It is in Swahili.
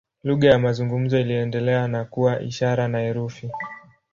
Lugha ya mazungumzo iliendelea na kuwa ishara na herufi.